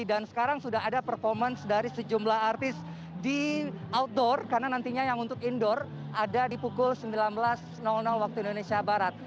dan sekarang sudah ada performance dari sejumlah artis di outdoor karena nantinya yang untuk indoor ada di pukul sembilan belas waktu indonesia barat